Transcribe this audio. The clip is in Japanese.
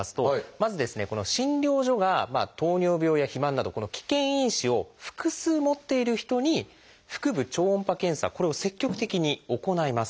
この診療所が糖尿病や肥満などこの危険因子を複数持っている人に腹部超音波検査これを積極的に行います。